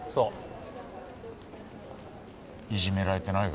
いじめられてないか？